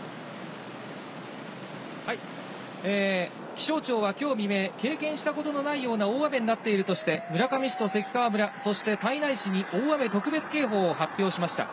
気象庁は今日未明、経験したことのないような大雨になっているとして、村上市と関川村、そして胎内市に大雨特別警報を発表しました。